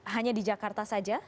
hanya di jakarta saja